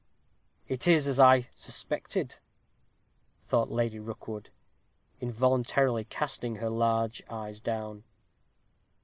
"Soh! it is as I suspected," thought Lady Rookwood, involuntarily casting her large eyes down.